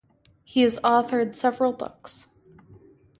He has authored several books.